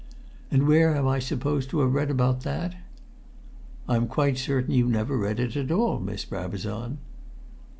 "And where am I supposed to have read about that?" "I'm quite certain you never read it at all, Miss Brabazon!"